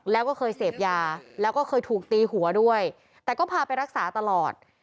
แล้วก็เคยเสพยาแล้วก็เคยถูกตีหัวด้วยแต่ก็พาไปรักษาตลอด